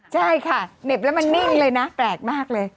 ใช่ค่ะเหน็บแล้วมันนิ่งเลยนะแปลกมากเลย